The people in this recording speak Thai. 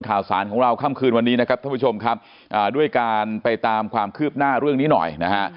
ข่าวสารของเราค่ำคืนวันนี้นะครับท่านผู้ชมครับอ่าด้วยการไปตามความคืบหน้าเรื่องนี้หน่อยนะฮะ